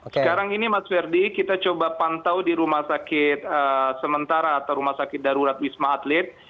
sekarang ini mas ferdi kita coba pantau di rumah sakit sementara atau rumah sakit darurat wisma atlet